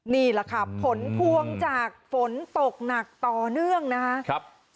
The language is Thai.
นี่แหละค่ะผลพวงจากฝนตกหนักต่อเนื่องนะครับ